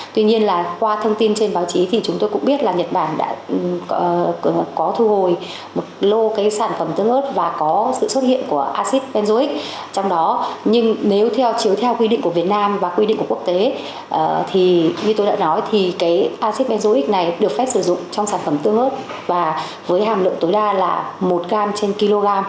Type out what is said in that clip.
sử dụng trong sản phẩm tương ớt và với hàm lượng tối đa là một gram trên kg